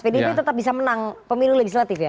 pdi itu tetap bisa menang pemilu legislatif ya